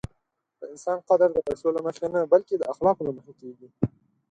د انسان قدر د پیسو له مخې نه، بلکې د اخلاقو له مخې کېږي.